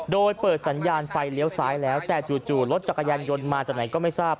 โดยเปิดสัญญาณไฟเลี้ยวซ้ายแล้วแต่จู่รถจักรยานยนต์มาจากไหนก็ไม่ทราบ